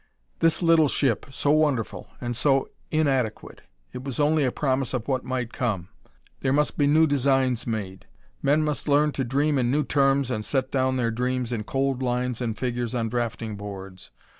This little ship so wonderful, and so inadequate! It was only a promise of what might come. There must be new designs made; men must learn to dream in new terms and set down their dreams in cold lines and figures on drafting boards.